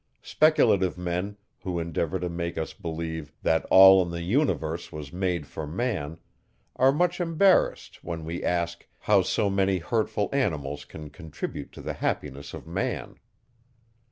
Speculative men, who endeavour to make us believe, that all in the universe was made for man, are much embarrassed, when we ask, how so many hurtful animals can contribute to the happiness of man?